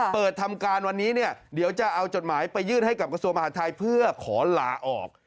เปิดทำการวันนี้เนี่ยเดี๋ยวจะเอาจดหมายไปยื่นให้กับกระทรวงมหาทัยเพื่อขอลาออก